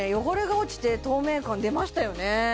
汚れが落ちて透明感出ましたよね